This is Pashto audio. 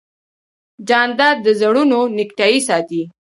جانداد د زړونو نېکتایي ساتي.